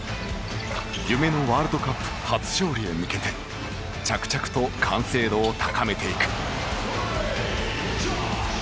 夢のワールドカップ初勝利へ向けて着々と完成度を高めていく。